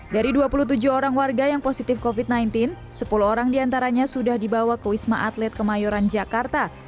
dari dua puluh tujuh orang warga yang positif covid sembilan belas sepuluh orang diantaranya sudah dibawa ke wisma atlet kemayoran jakarta